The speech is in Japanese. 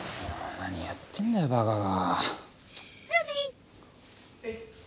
何やってんだよバカが。